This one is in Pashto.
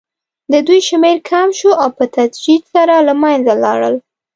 د دوی شمېر کم شو او په تدریج سره له منځه لاړل.